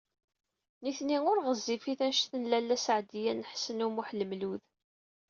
Nitni ur ɣezzifit anect n Lalla Seɛdiya n Ḥsen u Muḥ Lmlud.